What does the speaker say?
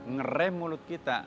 ngeram mulut kita